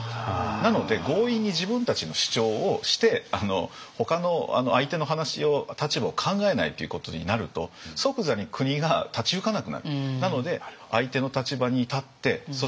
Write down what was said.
なので強引に自分たちの主張をしてほかの相手の立場を考えないということになると即座に国が立ち行かなくなる。